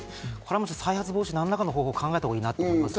再発防止、何らかの方法を考えたほうがいいと思います。